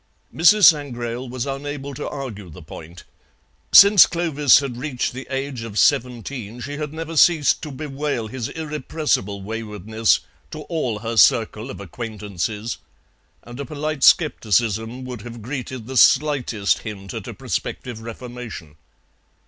Mrs. Sangrail was unable to argue the point; since Clovis had reached the age of seventeen she had never ceased to bewail his irrepressible waywardness to all her circle of acquaintances, and a polite scepticism would have greeted the slightest hint at a prospective reformation.